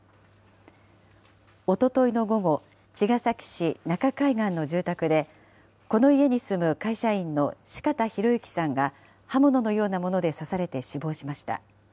おとといの午後、茅ヶ崎市中海岸の住宅で、この家に住む会社員の四方洋行さんが刃物のようなもので刺されて死亡しました。